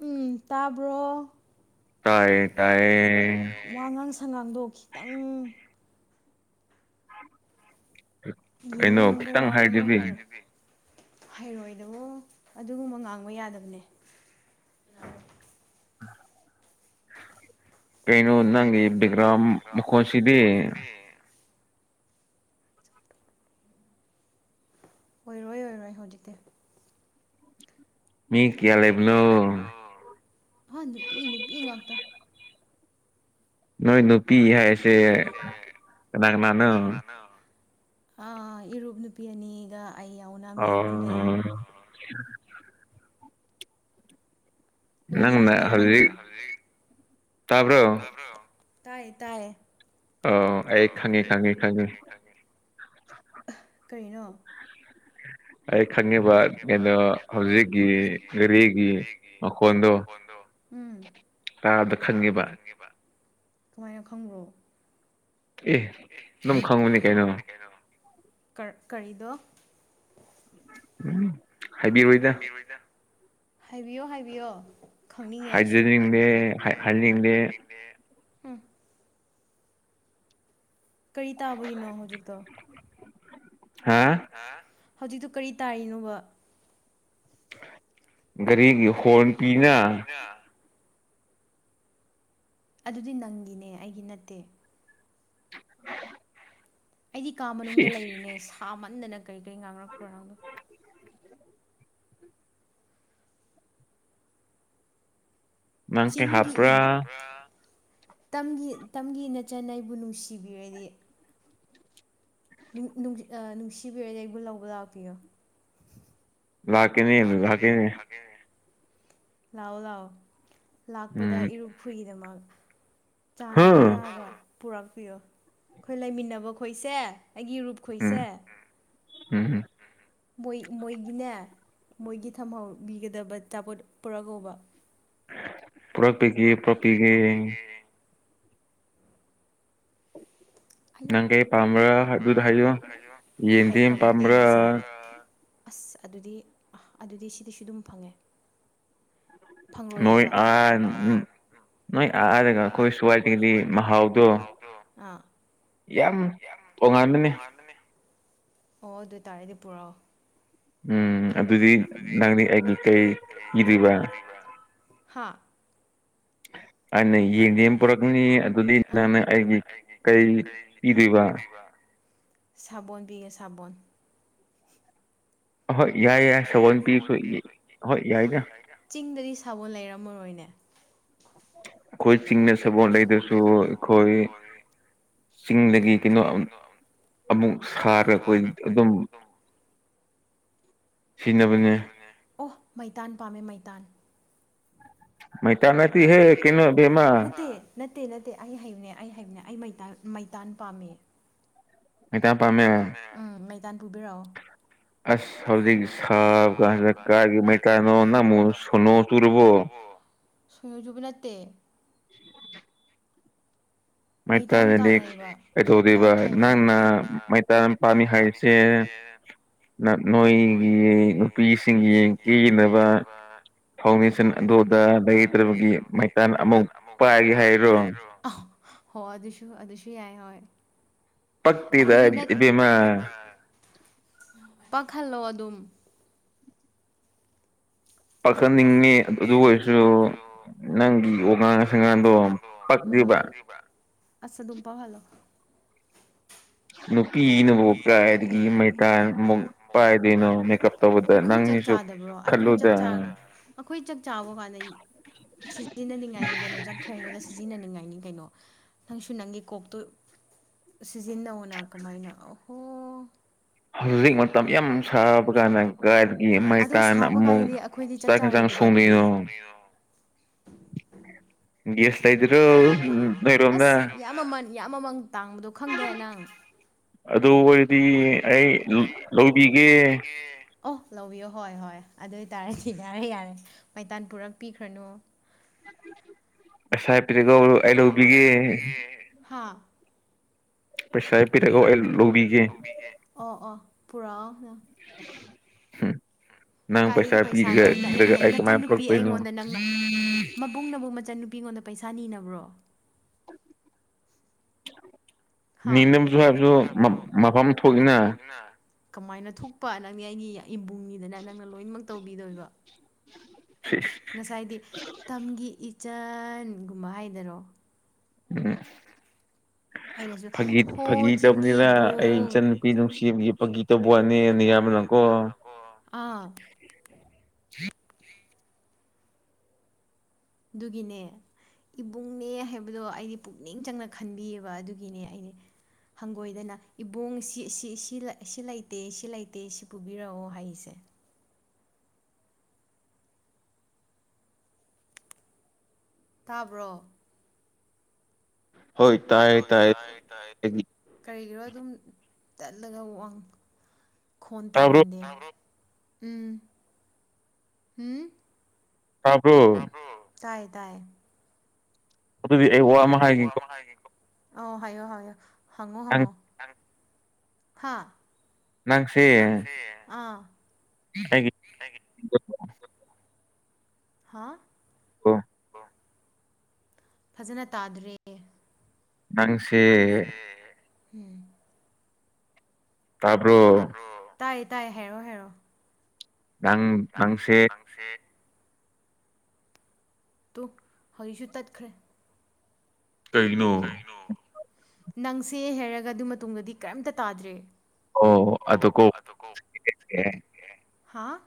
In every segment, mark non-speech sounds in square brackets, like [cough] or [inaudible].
ꯎꯝ ꯇꯥꯕ꯭ꯔꯣ ꯇ ꯇ ꯋꯥꯉꯥꯡ ꯁꯉꯥꯡꯗꯣ ꯈꯤꯇꯪ ꯉ ꯍꯥꯏꯗꯤ ꯍꯩꯔꯣꯏꯗꯕꯣ ꯑꯗꯨꯒꯨꯝꯕ ꯉꯥꯡꯕ ꯌꯥꯗꯕꯅꯦ ꯀꯩꯅ ꯅꯪ ꯕꯤꯒ꯭ꯔꯝ ꯃꯈꯣꯁꯤꯗꯤ ꯑꯣꯏꯔꯣꯏ ꯑꯣꯏꯔꯣꯏ ꯍꯧꯖꯤꯛꯇꯤ ꯃꯤ ꯀꯌꯥ ꯂꯩꯕꯅꯣ ꯑ ꯅꯨꯄꯤ ꯅꯨꯄꯤ ꯉꯥꯛꯇ ꯅꯣꯏ ꯅꯨꯄꯤ ꯍꯥꯏꯁꯦ ꯀꯅꯥ ꯀꯅꯥꯅꯣ ꯏꯔꯨꯞꯨꯞ ꯅꯨꯄꯤ ꯑꯅꯤꯒ ꯑꯩ ꯌꯥꯎꯅ ꯃꯤ ꯑꯍꯨꯝ ꯂꯩꯌꯦ ꯎ ꯅꯣꯏꯗꯤ ꯃꯤ ꯀꯌꯥ ꯂꯩꯦ꯭ꯔ ꯇꯥꯏ ꯇꯥꯏ ꯑ ꯑꯩ ꯈꯅꯤ ꯈꯅꯤ ꯈꯅꯤ ꯀꯔꯤꯅꯣ ꯑꯩ ꯈꯪꯉꯦꯕ ꯀꯩꯅꯣ ꯍꯧꯖꯤꯛꯀꯤ ꯐꯤꯔꯤꯒꯤ ꯃꯈꯣꯟꯗꯣ ꯎꯝ ꯑꯗ ꯈꯪꯒꯤꯕ ꯀꯃꯥꯏꯅ ꯈꯪꯕ꯭ꯔꯣ ꯑꯦ ꯑꯗꯨꯝ ꯈꯪꯉꯨꯅꯤ ꯀꯩꯅꯣ ꯀ ꯀꯔꯤꯗꯣ ꯍꯥꯏꯕꯤꯔꯣꯏꯗ ꯍꯥꯏꯕꯤꯌꯣ ꯍꯥꯏꯕꯤꯌꯣ ꯈꯪꯅꯤꯡꯉꯦ ꯑꯩꯁꯨ ꯍꯥꯏꯖꯅꯤꯡꯗꯦ ꯍꯥꯏ ꯍꯥꯏꯅꯤꯡꯗꯦ ꯀꯔꯤ ꯇꯥꯕꯒꯤꯅꯣ ꯍꯧꯖꯤꯛꯇꯣ ꯍꯥ ꯍꯥ ꯍꯧꯖꯤꯛꯇꯨ ꯀꯔꯤ ꯇꯥꯔꯤꯅꯣꯕ ꯒꯔꯤꯒꯤ ꯍꯣꯔ꯭ꯟ ꯄꯤꯅ ꯑꯗꯨꯗꯤ ꯅꯪꯒꯤꯅꯦ ꯑꯩꯒꯤ ꯅꯠꯇꯦ ꯑꯩꯗꯤ ꯀꯥ ꯃꯅꯨꯡꯗ ꯂꯩꯔꯤꯅꯦ ꯁꯥꯃꯟꯗꯅ ꯀꯔꯤ ꯀꯔꯤ ꯉꯥꯡꯔꯛꯄ꯭ꯔꯣ ꯅꯪꯗꯣ ꯆꯤꯡꯒꯤ ꯏꯞ ꯇꯝꯒꯤ ꯇꯝꯒꯤ ꯅꯆꯟ ꯑꯩꯕꯨ ꯅꯨꯡꯁꯤꯕꯤꯔꯗꯤ ꯅꯨꯡ ꯅꯨꯡꯖꯤꯛ ꯑ ꯅꯨꯡꯁꯤꯕꯤꯔꯗꯤ ꯑꯩꯕꯨ ꯂꯧꯕ ꯂꯥꯛꯄꯤꯌꯣ ꯂꯥꯛꯀꯦꯅꯦ ꯂꯥꯛꯀꯦꯅꯦ ꯂꯥꯛꯑꯣ ꯂꯥꯛꯑꯣ ꯂꯥꯛꯄꯗ ꯏꯔꯨꯞꯐꯨꯏꯒꯤꯗꯃꯛ ꯆꯥꯅꯕ ꯌꯥꯝꯕ ꯄꯨꯔꯛꯄꯤꯌꯣ ꯑꯩꯈꯣꯏ ꯂꯩꯃꯤꯟꯅꯕ ꯈꯣꯏꯁꯦ ꯑꯩꯒꯤ ꯔꯨꯞ ꯈꯣꯏꯁꯦ ꯃꯣꯏ ꯃꯣꯏꯒꯤꯅꯦ ꯃꯣꯏꯒꯤ ꯊꯝꯍꯧꯕꯤꯒꯗꯕ ꯑꯆꯥꯄꯣꯠ ꯄꯨꯔꯛꯒꯣꯕ ꯄꯨꯔꯛꯄꯤꯒꯦ ꯄꯨꯔꯛꯀꯤꯒꯦ ꯑꯌꯥ ꯅꯪ ꯀꯩ ꯄꯥꯝꯕ꯭ꯔꯥ ꯍꯥꯏꯈ꯭ꯔꯕꯗꯨꯗꯤ ꯉꯁꯥꯏ ꯑꯁ ꯑꯗꯨꯗꯤ ꯑ ꯑꯗꯨꯗꯤ ꯁꯤꯗꯤꯁꯨ ꯑꯗꯨꯝ ꯐꯪꯉꯦ ꯅꯣꯏ ꯑꯥꯟ ꯎꯝ ꯅꯣꯏ ꯑꯥꯗꯒ ꯑꯩꯈꯣꯏ ꯁ꯭ꯋꯥꯏꯗꯒꯤꯗꯤ ꯃꯍꯥꯎꯗꯣ ꯌꯥꯝ ꯇꯣꯡꯉꯥꯟꯕꯅꯦ ꯑꯣ ꯑꯗꯨꯑꯣꯏ ꯇꯥꯔꯗꯤ ꯄꯨꯔꯛꯑꯣ ꯎꯝ ꯑꯗꯨꯗꯤ ꯅꯪꯗꯤ ꯑꯩꯒꯤ ꯀꯩ ꯄꯤꯗꯣꯏꯕ ꯀꯤꯕ꯭ꯔꯥ ꯍꯥꯥ [unintelligible] ꯑꯩꯅ ꯌꯦꯡꯗꯦꯝ ꯄꯨꯔꯛꯀꯅꯤ ꯑꯗꯨꯗꯤ ꯅꯪꯅ ꯑꯩꯒꯤ ꯀꯔꯤ ꯄꯤꯗꯣꯏꯕ ꯁꯥꯕꯣꯟ ꯄꯤꯒꯦ ꯁꯥꯕꯣꯟ ꯑꯍꯣꯏ ꯌꯥꯏ ꯌꯥꯏ ꯁꯕꯣꯟ ꯄꯤꯕꯁꯨ ꯍꯣꯏ ꯌꯥꯏꯗ ꯆꯤꯡꯗꯗꯤ ꯁꯥꯕꯣꯟ ꯂꯩꯔꯝꯃꯔꯣꯏꯅꯦ ꯑꯩꯈꯣꯏ ꯆꯤꯡꯅ ꯁꯕꯣꯟ ꯂꯩꯗꯁꯨ ꯑꯩꯈꯣꯏ ꯆꯤꯡꯗꯒꯤ ꯀꯩꯅꯣ ꯑꯃꯨꯛ ꯁꯥꯔꯒ ꯑꯩꯈꯣꯏ ꯑꯗꯨꯝ ꯁꯤꯅꯕꯅꯦ ꯑꯣ ꯃꯩꯇꯥꯟ ꯄꯥꯝꯃꯦ ꯃꯩꯇꯥꯟ ꯃꯩꯇꯥꯟ ꯅꯠꯇꯤꯍꯦ ꯀꯩꯅꯣ ꯏꯕꯦꯝꯃ ꯅꯠꯇꯦ ꯅꯠꯇꯦ ꯅꯠꯇꯦ ꯑꯩ ꯍꯩꯕꯅꯦ ꯑꯩ ꯍꯩꯕꯅꯦ ꯑꯩ ꯃꯩꯇꯥꯟ ꯃꯩꯇꯥꯟ ꯄꯥꯝꯃꯦ ꯃꯩꯇꯥꯟ ꯄꯥꯝꯃꯦ ꯎꯝ ꯃꯩꯗꯥꯥꯟ ꯄꯨꯕꯤꯔꯛꯑꯣ ꯑꯁ ꯍꯧꯖꯤꯛ ꯁꯥꯕꯀꯥꯟꯖꯤꯗ ꯀꯥꯏꯗꯒꯤ ꯃꯩꯇꯥꯟꯅꯣ ꯅꯪꯃꯨ ꯁꯣꯅꯣ ꯆꯨꯨꯔꯕꯣ ꯁꯣꯅꯣꯖꯨꯕ ꯅꯠꯇꯦ [inaudible] ꯃꯩꯇꯥꯟꯅꯗꯤ ꯀꯩꯗꯧꯗꯣꯏꯕ ꯅꯪꯅ ꯃꯩꯇꯥꯟ ꯄꯥꯝꯃꯤ ꯍꯥꯏꯔꯤꯁꯦ ꯅꯠ ꯅꯣꯏꯒꯤ ꯅꯨꯄꯤꯁꯤꯡꯒꯤ ꯀꯦꯅꯕ ꯐꯥꯎꯟꯗꯦꯁꯟ ꯑꯗꯨ ꯑꯗ ꯂꯩꯇ꯭ꯔꯕꯒꯤ ꯃꯩꯇꯥꯟ ꯑꯃꯨꯛ ꯄꯥꯏꯒꯦ ꯍꯥꯏꯔꯣ ꯑꯥꯎ ꯍꯣ ꯑꯗꯨꯁꯨ ꯑꯗꯨꯁꯨ ꯌꯥꯏ ꯍꯣꯏ ꯑꯗꯨꯒꯤ ꯅꯠ ꯄꯥꯈꯜꯂꯣ ꯑꯗꯨꯝ ꯄꯥꯈꯟꯅꯤꯡꯉꯤ ꯑꯗꯨ ꯑꯣꯏꯔꯁꯨ ꯅꯪꯒꯤ ꯋꯥꯉꯥꯡ ꯁꯪꯉꯥꯡꯗꯣ ꯄꯛꯇꯦꯕ ꯑꯁ ꯑꯗꯨꯝꯄꯥꯥꯎ ꯍꯂꯣ ꯅꯨꯄꯤꯅ ꯀꯒꯤ ꯃꯩꯇ ꯃ ꯄꯗꯅꯣ ꯃ ꯑꯩꯈꯣꯏ ꯆꯥꯛ ꯆꯥꯗꯕ꯭ꯔꯣ ꯑꯩꯈꯣꯏ ꯆ ꯑꯩꯈꯣꯏ ꯆꯥꯛ ꯆꯥꯕ ꯀꯥꯟꯗ ꯁꯤꯖꯤꯟꯅꯅꯤꯡꯉꯥꯏꯅꯤ ꯀꯩꯅꯣꯖꯠ ꯊꯣꯡꯕꯗ ꯁꯤꯖꯤꯟꯅꯅꯤꯡꯉꯥꯏꯅꯤ ꯀꯩꯅꯣ ꯅꯪꯁꯨ ꯅꯪꯒꯤ ꯀꯣꯛꯇꯨ ꯁꯤꯖꯤꯟꯅꯧꯅ ꯀꯃꯥꯏꯅ ꯑꯍꯣ ꯍꯧꯖꯤꯛ ꯃꯇꯝ ꯌꯥꯝ ꯁꯥꯕ ꯀꯥꯟ ꯑ ꯁꯥꯕ ꯀꯥꯏꯗꯤ ꯑꯩꯈꯣꯏꯗꯤ ꯆꯥꯛ ꯆꯥꯔꯣꯏꯗꯕ ꯑꯗꯨꯗꯤ ꯒꯤꯦꯁꯇꯗꯔꯣ ꯏꯔꯣꯗ ꯌꯥꯝ ꯃꯃꯜ ꯌꯥꯝ ꯃꯃꯜ ꯇꯥꯡꯕꯗꯣ ꯈꯪꯗꯦ ꯅꯪ ꯑꯗꯨ ꯑꯣꯏꯔꯗꯤ ꯑꯩ ꯂꯧꯕꯤꯒꯦ ꯑꯣ ꯂꯧꯕꯤꯌꯣ ꯍꯣꯏ ꯍꯣꯏ ꯑꯗꯨ ꯑꯣꯏꯇꯥꯔꯗꯤ ꯌꯥꯔꯦ ꯌꯥꯔꯦ ꯃꯩꯇꯥꯟ ꯄꯨꯔꯛꯄꯤꯈ꯭ꯔꯅꯨ ꯉꯁ ꯍꯥꯏ ꯄꯔꯀ ꯑꯩ ꯂꯧꯕꯤꯒꯦ ꯍꯥꯥ ꯄꯩꯁꯥ ꯄꯤꯔꯒ ꯑꯩ ꯂꯧꯕꯤꯒꯦ ꯑ ꯑꯥ ꯄꯨꯔꯥ ꯅꯪ ꯄꯩꯁꯥ ꯄꯤꯔꯒ ꯏꯒ ꯑꯩ ꯀꯃꯥꯏ ꯄꯛꯛꯇꯅꯣ ꯃꯕꯨꯡꯅꯕꯨ ꯃꯆꯟꯟꯅꯨꯄꯤꯉꯣꯟꯗ ꯄꯩꯁꯥ ꯅꯤꯅꯕ꯭ꯔꯣ ꯅꯕꯁꯨ ꯍꯥꯏꯕꯁꯨ ꯃꯐꯝ ꯊꯣꯛꯏꯅ ꯀꯃꯥꯏꯅ ꯊꯣꯛꯄ ꯅꯪꯗꯤ ꯑꯩꯒꯤ ꯏꯕꯨꯡꯅꯤꯗꯅ ꯅꯪꯅ ꯂꯣꯏꯅꯃꯛ ꯇꯧꯕꯤꯗꯣꯏꯕ ꯁꯤ ꯉꯁꯥꯏꯗꯤ ꯇꯝꯒꯤ ꯏꯆꯟꯒꯨꯝꯕ ꯍꯥꯏꯗꯔꯣ ꯎ [unintelligible] ꯑꯩꯅꯁꯨ ꯍꯣ ꯆꯤꯡꯕꯨ ꯑꯩ ꯏꯆꯨꯄꯤ ꯅꯨꯡꯁꯤꯅꯦꯅꯌꯥꯝꯕ ꯑꯥ ꯑꯗꯨꯒꯤꯅꯦ ꯏꯕꯨꯡꯅꯦ ꯍꯥꯏꯕꯗꯣ ꯑꯩꯗꯤ ꯄꯨꯛꯅꯤꯡ ꯆꯪꯅ ꯈꯟꯕꯤꯌꯦꯕ ꯑꯗꯨꯒꯤꯅꯦ ꯑꯩꯅꯦ ꯍꯪꯒꯣꯏꯗꯅ ꯏꯕꯣꯡ ꯁꯤ ꯁꯤ ꯂꯩꯇꯦ ꯁꯤ ꯂꯩꯇꯦ ꯁꯤ ꯄꯨꯕꯤꯔꯛꯑꯣ ꯍꯥꯏꯁꯦ ꯇꯥꯕ꯭ꯔꯣ ꯍꯣꯏ ꯍꯣꯏ ꯇꯥꯏ ꯇꯥꯏ ꯀꯔꯤꯒꯤꯔꯣ ꯑꯗꯨꯝ ꯆꯠꯂꯒ ꯋꯥ ꯋꯥꯡ ꯐꯣꯟ ꯇꯥꯒꯟꯗꯦ ꯎꯝ ꯎꯝ ꯇꯞ꯭ꯔꯣ ꯇꯥꯏꯌꯦ ꯇꯥꯏꯌꯦ ꯑꯩꯦ ꯑ ꯍꯥꯏꯌꯣ ꯍꯥꯏꯌꯣ ꯍꯪꯉꯣ ꯍꯪꯉꯣ ꯍꯥꯥ ꯅꯪꯁꯤꯦ ꯑꯥ ꯍꯥꯏꯦ ꯍꯥ ꯀ ꯐꯖꯅ ꯇꯥꯗ꯭ꯔꯦ ꯅꯪꯁꯦ ꯎꯝ ꯇꯥꯄꯔ ꯇꯥꯏꯌꯦ ꯇꯥꯏꯌꯦ ꯍꯦꯣ ꯍꯦꯣ ꯥꯡ ꯉꯥꯡꯁ ꯐ ꯇꯨ ꯍꯧꯖꯤꯛꯁꯨ ꯇꯠꯈ꯭ꯔꯦ ꯀꯩꯩꯅꯣ ꯅꯪꯁꯦ ꯍꯥꯏꯔꯒ ꯑꯗꯨ ꯃꯇꯨꯡꯗꯗꯤ ꯀꯔꯤꯝꯇ ꯇꯥꯗ꯭ꯔꯦ ꯑꯣ ꯑ ꯑꯗꯨ ꯀꯣ ꯍꯥꯥ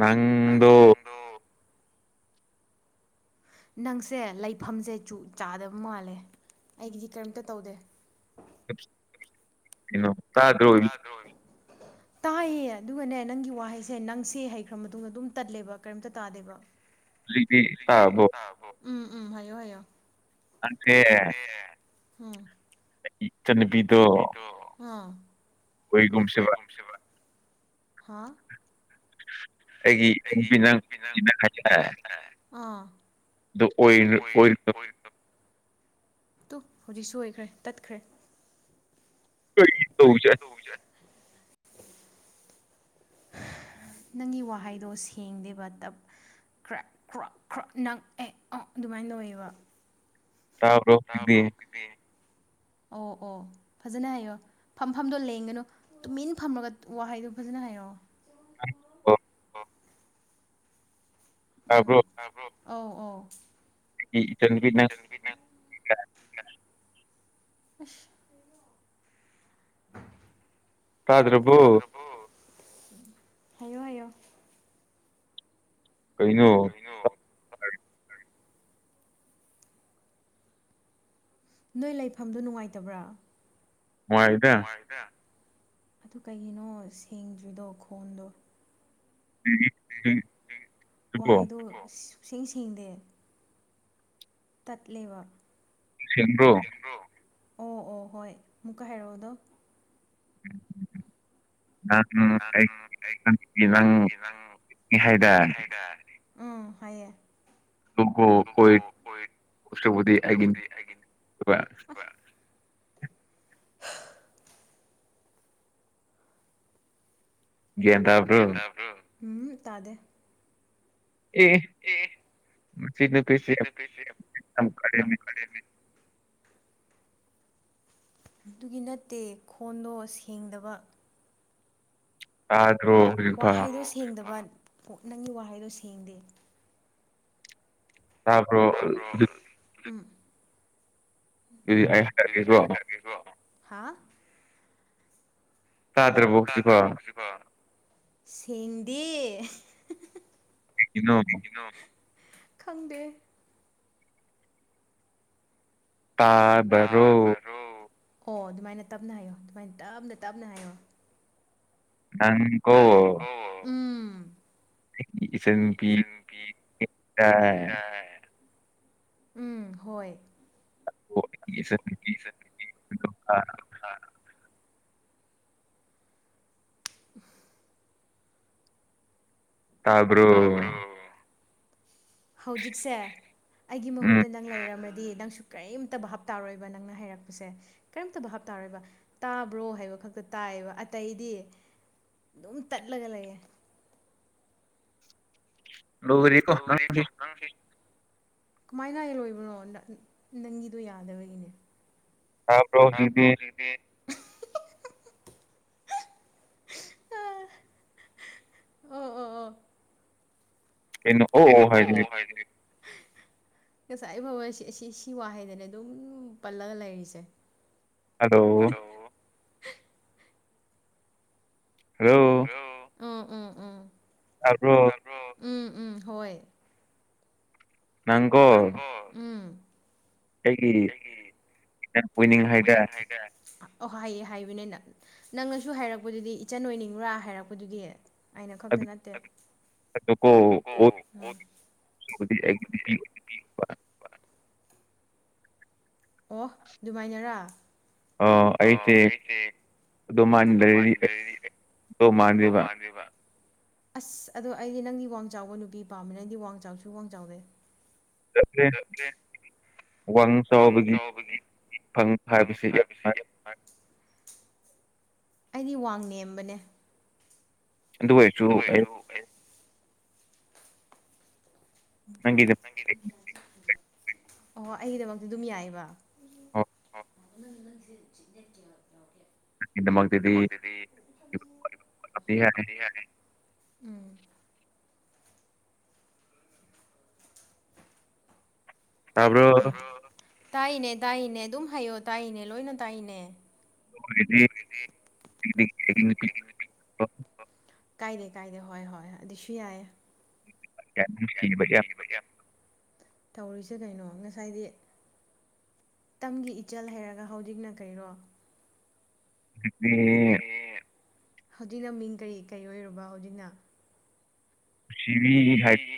ꯅꯪꯗꯣ ꯅꯪꯁꯦ ꯂꯩꯐꯝꯁꯦ ꯆꯥꯗꯕ ꯃꯥꯜꯂꯦ ꯑꯩꯒꯤꯗꯤ ꯀꯔꯤꯝꯇ ꯇꯧꯗꯦ ꯀꯩꯅꯣ ꯇꯥꯗ꯭ꯔꯣ ꯇꯥꯏꯌꯦ ꯑꯗꯨꯒꯅꯦ ꯅꯪꯒꯤ ꯋꯥꯍꯩꯁꯦ ꯅꯪꯁꯦ ꯍꯩꯈ꯭ꯔ ꯃꯇꯨꯡꯗ ꯑꯗꯨꯝ ꯇꯠꯂꯦꯕ ꯀꯔꯤꯝꯇ ꯇꯥꯗꯦꯕ ꯂꯤꯗꯤ ꯑꯕꯣ ꯎꯝ ꯎꯝ ꯍꯥꯏꯣ ꯍꯥꯏꯣ ꯎꯝ ꯏ ꯆ ꯅꯨꯄꯤꯗꯣ ꯩꯒꯨꯁꯤꯕ ꯍꯥ ꯑꯩꯒꯤ ꯑꯗꯨꯣ ꯑꯣꯏ ꯑꯣꯏ ꯇꯨ ꯍꯧꯖꯤꯛ ꯁꯣꯏꯈ꯭ꯔꯦ ꯇꯠꯈ꯭ꯔꯦ ꯀ ꯇꯧꯁꯦ [unintelligible] ꯅꯪꯒꯤ ꯋꯥꯍꯩꯗꯣ ꯁꯦꯡꯗꯦꯕ ꯇꯞ ꯀ꯭ꯔꯛ ꯀ꯭ꯔꯛ ꯀ꯭ꯔꯛ ꯅꯛ ꯑꯦ ꯑ ꯑꯗꯨꯃꯥꯏꯅ ꯇꯧꯋꯦꯕ ꯑꯣ ꯑꯣ ꯐꯖꯅ ꯍꯥꯏꯌꯣ ꯐꯝꯐꯝꯗꯣ ꯂꯦꯡꯒꯅꯨ ꯇꯨꯃꯤꯟ ꯐꯝꯃꯒ ꯋꯥꯍꯩꯗꯨꯣ ꯐꯖꯅ ꯍꯥꯏꯔꯛꯑꯣ ꯑ ꯎꯝ ꯑꯧ ꯑꯧ ꯏ ꯆ ꯭ꯔ ꯍꯥꯏꯌꯣ ꯍꯥꯏꯌꯣ ꯀꯩꯅꯩꯅꯣ ꯍꯅꯣ ꯅꯣꯏ ꯂꯩꯐꯝꯗꯨ ꯅꯨꯡꯉꯥꯏꯇꯕ꯭ꯔꯥ ꯃꯣꯏꯥꯏꯗ ꯑꯗꯨ ꯀꯩꯒꯤꯅꯣ ꯁꯦꯡꯗ꯭ꯔꯤꯗꯣ ꯈꯣꯟꯗꯣ ꯎꯝ ꯋꯥꯍꯩꯗꯣ ꯁ ꯁꯦꯡ ꯁꯦꯡꯗꯦ ꯇꯠꯂꯕ ꯁꯦꯡꯕ꯭ꯔꯣ ꯑꯣ ꯑꯣ ꯍꯣꯏ ꯑꯃꯨꯛꯀ ꯍꯥꯏꯔꯛꯑꯣꯗꯣ ꯑꯪ ꯍꯥꯏꯗ ꯎꯝ ꯍꯥꯏꯌꯦ ꯂ ꯑꯣꯏꯣꯏ ꯔ꯭ꯔꯄꯗꯤ ꯎꯝ ꯇꯥꯗꯦ ꯑꯦ ꯅ ꯄꯁꯝ ꯀ ꯑꯗꯨꯒꯤ ꯅꯠꯇꯦ ꯈꯣꯟꯗꯣ ꯁꯦꯡꯗꯕ ꯋꯥꯍꯩꯗꯣ ꯁꯦꯡꯗꯕ ꯅꯪꯒꯤ ꯋꯥꯍꯩꯗꯣ ꯁꯦꯡꯗꯦ ꯇꯥꯔꯕ꯭ꯔꯣ ꯎꯝ ꯑꯗꯨꯗꯤ ꯑꯩ ꯍꯥꯏꯔꯛꯀꯦꯀꯣ ꯍꯥꯥ ꯇꯥꯗ꯭ꯔꯕꯣꯛꯁꯤꯀꯣ ꯁꯤꯗꯤ ꯏꯩꯅꯣ ꯈꯪꯗꯦ ꯇꯥꯕꯔꯣ ꯍꯣ ꯑꯗꯨꯃꯥꯏꯅ ꯇꯞꯅ ꯍꯥꯏꯌꯣ ꯑꯗꯨꯃꯥꯏꯅ ꯇꯞꯅ ꯇꯞꯅ ꯍꯥꯏꯌꯣ ꯅꯪ ꯅꯪ ꯀꯣ ꯎꯝ ꯁꯟ [unintelligible] ꯎꯝ ꯍꯣꯏ [unintelligible] ꯑ [unintelligible] [unintelligible] ꯇꯕꯔꯣ ꯍꯧꯖꯤꯛꯁꯦ ꯑꯩꯒꯤ ꯃꯍꯨꯠꯇ ꯅꯪ ꯂꯩꯔꯝꯃꯗꯤ ꯅꯪꯁꯨ ꯀꯔꯤꯝꯇ ꯚꯞꯇꯥꯔꯣꯏꯕ ꯅꯪꯅ ꯍꯥꯏꯩꯔꯛꯄꯁꯦ ꯀꯔꯤꯝꯇ ꯚꯞꯇꯥꯥꯔꯣꯏꯕ ꯇꯥꯕ꯭ꯔꯣ ꯍꯥꯏꯕ ꯈꯛꯇ ꯇꯥꯏꯌꯦꯕ ꯑꯇꯩꯗꯤ ꯑꯗꯨꯝ ꯇꯠꯂꯒ ꯂꯩꯌꯦ ꯇꯧꯔꯤ ꯀꯣ ꯅꯥꯡꯁꯤ [unintelligible] ꯀꯃꯥꯏꯅ ꯂꯣꯏꯕꯅꯣ ꯅꯪꯒꯤꯗꯣ ꯌꯥꯗꯕꯒꯤꯅꯦ ꯇꯥꯕ꯭ꯔꯣ ꯍꯧꯖꯤꯛꯇꯤ ꯀꯩꯅꯣ ꯑꯣ ꯑꯣ ꯍꯥꯏꯔꯒꯗꯤ [unintelligible] ꯉꯁꯥꯏ [unintelligible] ꯁꯤ ꯑꯁꯤ ꯁꯤ ꯋꯥꯍꯩꯗꯅ ꯑꯗꯨꯝ ꯄꯜꯂꯒ ꯂꯩꯔꯤꯁꯦ ꯍꯜꯂꯣ ꯍꯜꯂꫭ ꯇꯥꯕ꯭ꯔꯣ ꯇꯥꯕ꯭ꯔꯣ ꯎꯝ ꯎꯝ ꯍꯣꯏ ꯅꯪꯀꯣ ꯎꯝ ꯑꯩꯒꯤ ꯇꯟ [unintelligible] ꯑꯣꯏꯅꯥꯡ ꯍꯥꯏꯗꯥꯏ ꯑꯣ ꯍꯥꯏꯌꯦ ꯍꯥꯏꯕꯅꯤꯅ ꯅꯪꯅꯁꯨ ꯍꯥꯏꯔꯛꯄꯗꯨꯗꯤ ꯏꯆꯟ ꯑꯣꯏꯅꯤꯡꯕ꯭ꯔꯥ ꯍꯥꯏꯔꯛꯄꯗꯨꯗꯤ ꯑꯩꯅ ꯈꯛꯇ ꯅꯠꯇꯦ ꯑꯗꯨꯀꯣ ꯎꯝ ꯑꯩ [unintelligible] ꯑꯣ ꯑꯗꯨꯃꯥꯏꯅꯔꯥ ꯑ ꯑꯩꯁꯦ ꯑꯗꯨꯝꯃꯥꯏꯅ ꯂꯩꯔꯤ ꯑꯣ ꯃꯥꯟꯗꯕ [unintelligible] ꯑꯁ ꯑꯗꯣ ꯑꯩꯗꯤ ꯅꯪꯗꯤ ꯋꯥꯡ ꯆꯥꯎꯕ ꯅꯨꯄꯤ ꯄꯥꯝꯃ‌ꯦ ꯅꯪꯗꯤ ꯋꯥꯡ ꯆꯥꯎꯁꯨ ꯋꯥꯡ ꯆꯥꯎꯗꯦ ꯌꯥꯠꯇꯦ [unintelligible] ꯋꯥꯡ ꯆꯥꯎꯕꯒꯤ ꯐꯪ ꯍꯥꯏꯕꯁꯦ ꯌꯥꯝ ꯐ [unintelligible] ꯑꯩꯗꯤ ꯋꯥꯡ ꯅꯦꯝꯕꯅꯦ ꯑꯗꯨꯑꫭꯏꯁꯨ ꯑꯩ ꯅꯪꯒꯤ ꯑꯣ ꯑꯩꯒꯤꯗꯃꯛꯇꯤ ꯑꯗꯨꯝ ꯌꯥꯏꯑ‌ꯦꯕ [unintelligible] [unintelligible] ꯇꯥꯏꯅꯦ ꯇꯥꯏꯅꯦ ꯑꯗꯨꯝ ꯍꯥꯏꯌꯣ ꯇꯥꯏꯅꯦ ꯂꯣꯏꯅ ꯇꯥꯏꯅꯦ [unintelligible] ꯀꯥꯏꯗꯦ ꯀꯥꯏꯗꯦ ꯍꯣꯏ ꯍꯣꯏ ꯑꯗꯨꯁꯨ ꯌꯥꯏꯌ‌ꯦ [unintelligible] ꯇꯧꯔꯤꯁꯦ ꯀꯩꯅꯣ ꯉꯁꯥꯏꯗꯤ ꯇꯝꯒꯤ ꯏꯆꯜ ꯍꯩꯔꯒ ꯍꯧꯖꯤꯛꯅ ꯀꯩꯔꯣ [unintelligible] ꯍꯧꯖꯤꯛꯅ ꯃꯤꯡ ꯀꯔꯤ ꯀꯔꯤ ꯑꯣꯏꯔꯕ ꯍꯧꯖꯤꯛꯅ [unintelligible]